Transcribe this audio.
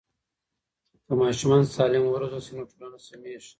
که ماشومان سالم وروزل سي نو ټولنه سمیږي.